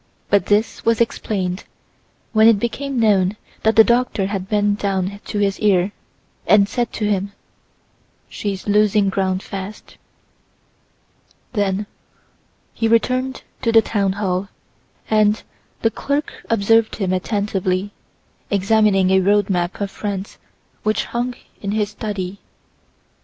But this was explained when it became known that the doctor had bent down to his ear and said to him, "She is losing ground fast." Then he returned to the town hall, and the clerk observed him attentively examining a road map of France which hung in his study.